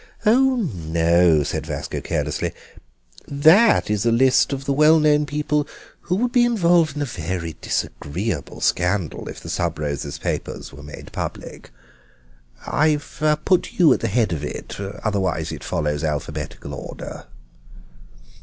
"Oh no," said Vasco carelessly, "that is a list of the well known people who would be involved in a very disagreeable scandal if the Sub Rosa's papers were made public. I've put you at the head of it, otherwise it follows alphabetical order."